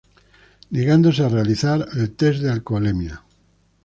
Negándose a realizar al test de alcoholemia.